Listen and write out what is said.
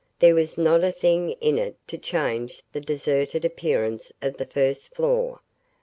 There was not a thing in it to change the deserted appearance of the first floor.